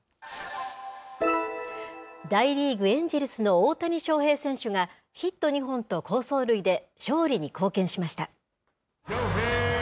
大リーグ・エンジェルスの大谷翔平選手が、ヒット２本と好走塁で、勝利に貢献しました。